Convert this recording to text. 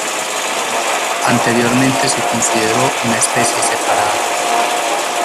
Anteriormente se consideró una especie separada.